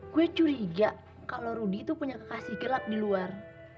gue curiga kalau rudy itu punya kekasih gelap di luar